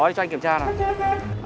có thì cho anh kiểm tra nào